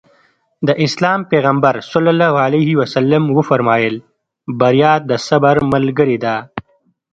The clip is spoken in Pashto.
د اسلام پيغمبر ص وفرمايل بريا د صبر ملګرې ده.